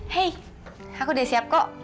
hei aku udah siap kok